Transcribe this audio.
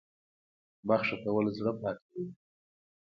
بخښنه کول زړه پاکوي